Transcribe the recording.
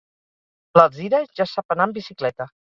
L'Alzira ja sap anar amb bicicleta.